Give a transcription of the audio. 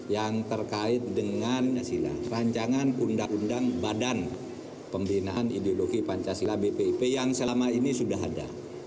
yang terkait dengan rancangan undang undang badan pembinaan ideologi pancasila bpip yang selama ini sudah ada